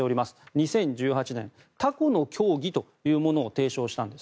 ２０１８年タコの教義というものを提唱したんです。